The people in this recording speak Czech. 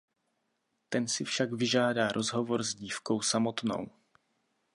Ten si však vyžádá rozhovor s dívkou samotnou.